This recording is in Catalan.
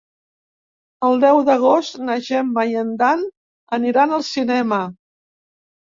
El deu d'agost na Gemma i en Dan aniran al cinema.